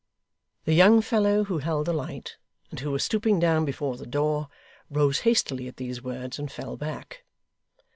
The young fellow who held the light, and who was stooping down before the door, rose hastily at these words, and fell back.